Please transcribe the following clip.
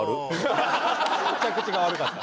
着地が悪かった。